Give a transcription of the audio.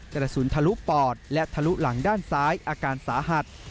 กระสุนทะลุปอดและทะลุหลังด้านซ้ายอาการสาหัส